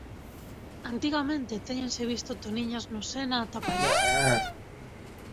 Antigamente téñense visto toniñas no Sena ata París.